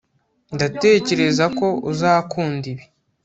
ndatekereza ko uzakunda ibi